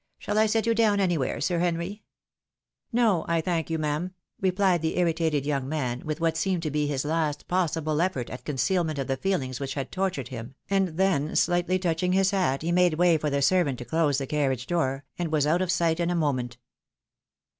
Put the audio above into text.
Shall I set you down any where, Sir Henry ?" "No, I thank you, ma'am," replied the irritated young man, with what seemed to be his last possible effort at con cealment of the feelings which had tortured him, and then, slightly touching his hat, he made way for the servant to close the carriage door, and was out of sight in a moment.